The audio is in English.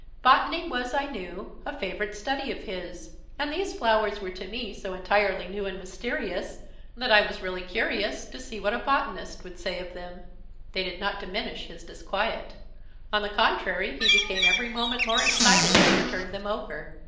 Botany was, I knew, a favourite study of his: and these flowers were to me so entirely new and mysterious, that I was really curious to see what a botanist would say of them. They did not diminish his disquiet. On the contrary, he became every moment more excited as he turned them over.